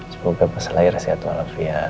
semoga mas lahir sehat walafiat